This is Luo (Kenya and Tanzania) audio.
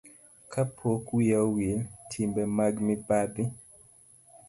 Ka pok wiya owil, timbe mag mibadhi